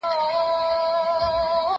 زه ښوونځی ته تللی دی؟!